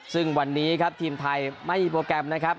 ซึ่งวันนี้ครับทีมไทยไม่มีโปรแกรมนะครับ